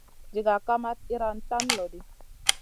Diga kamat iyran tan loɗi.